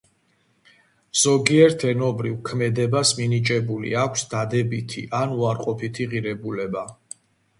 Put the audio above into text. ზოგიერთ ენობრივ ქმედებას მინიჭებული აქვს დადებითი ან უარყოფითი ღირებულება.